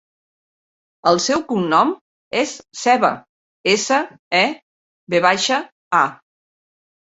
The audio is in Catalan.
El seu cognom és Seva: essa, e, ve baixa, a.